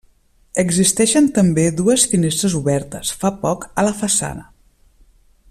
Existeixen també, dues finestres obertes, fa poc, a la façana.